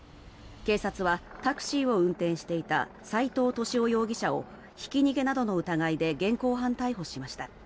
警察は、タクシーを運転していた斉藤敏夫容疑者をひき逃げなどの疑いで現行犯逮捕しました。